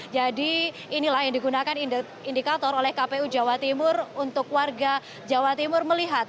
jadi inilah yang digunakan indikator oleh kpu jawa timur untuk warga jawa timur melihat